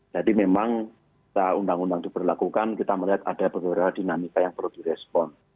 jadi memang saat undang undang diperlakukan kita melihat ada berbagai dinamika yang perlu direspon